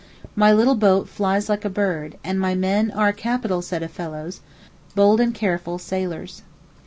My little boat flies like a bird, and my men are a capital set of fellows, bold and careful sailors.